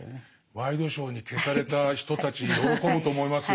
ワイドショーに消された人たち喜ぶと思いますよ